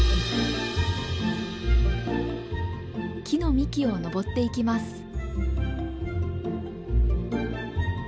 木の幹を登っていきます。